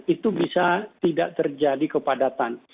itu bisa tidak terjadi kepadatan